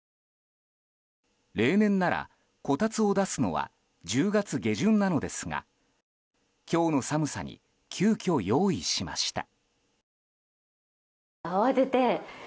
例年なら、こたつを出すのは１０月下旬なのですが今日の寒さに急きょ、用意しました。